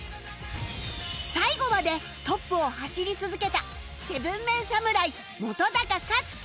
最後までトップを走り続けた ７ＭＥＮ 侍本克樹